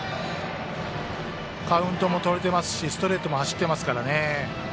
カウントもとれているしストレートも走っていますから。